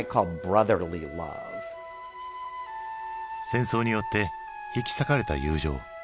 戦争によって引き裂かれた友情。